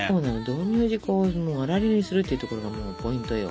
道明寺粉をあられにするっていうところがもうポイントよ。